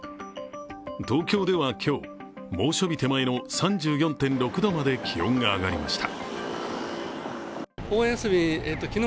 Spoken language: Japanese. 東京では今日、猛暑日手前の３４．６度まで気温が上がりました。